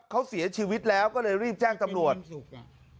เขาเสียชีวิตแล้วก็เลยรีบแจ้งตำรวจ